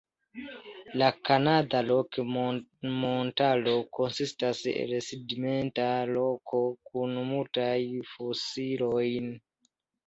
La Kanada Rok-Montaro konsistas el sedimenta roko, kun multaj fosilioj.